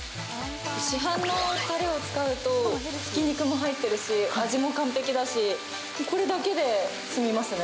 市販のタレを使うとひき肉も入ってるし味も完璧だしこれだけで済みますね。